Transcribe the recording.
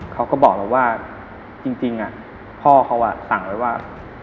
เขาก็บอกเราว่าจริงพ่อเขาสั่งไว้ว่า